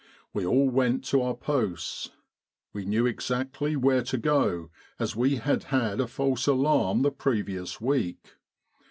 We all went to our posts. We knew exactly where to go, as we had had a false alarm the previous week.